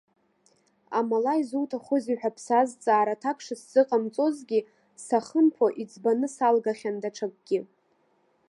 Амала изуҭахузеи ҳәа бсазҵаар аҭак шысзыҟамҵозгьы, сахымԥо, иӡбаны салгахьан даҽакгьы.